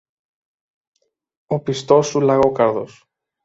Ο πιστός σου Λαγόκαρδος